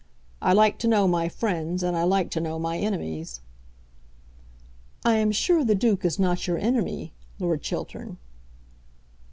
I like to know my friends, and I like to know my enemies." "I am sure the Duke is not your enemy, Lord Chiltern."